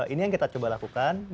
ini yang kita coba lakukan